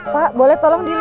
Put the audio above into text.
pak boleh tolong dilipet ya